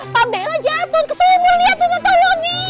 pak bella jatuh keseluruhan lihat untuk tolongin